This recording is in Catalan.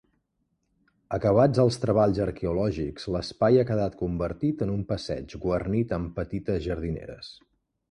Acabats els treballs arqueològics l'espai ha quedat convertit en un passeig guarnit amb petites jardineres.